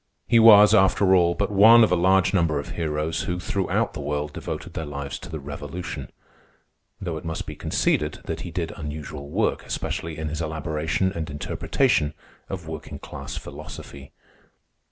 He was, after all, but one of a large number of heroes who, throughout the world, devoted their lives to the Revolution; though it must be conceded that he did unusual work, especially in his elaboration and interpretation of working class philosophy.